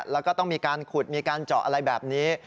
แล้วก็ต้องมีการขุดมีการเจาะอะไรแบบนี้